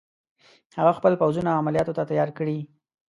هغه خپل پوځونه عملیاتو ته تیار کړي.